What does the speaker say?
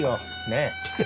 ねえ？